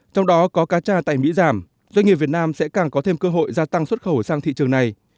trong đó có cá tra tại mỹ giảm doanh nghiệp việt nam sẽ càng có thêm cơ hội gia tăng xuất khẩu sang thị trường này